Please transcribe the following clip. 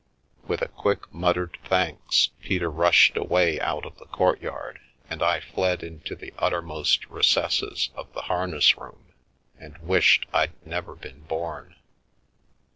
With a quick muttered thanks Peter rushed away out of the courtyard and I fled into the uttermost recesses of the harness room and wished I'd never been born.